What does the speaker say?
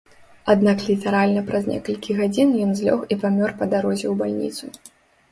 Аднак літаральна праз некалькі гадзін ён злёг і памёр па дарозе ў бальніцу.